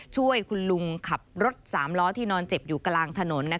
ช่วยคุณลุงขับรถ๓ล้อที่นอนเจ็บอยู่กลางถนน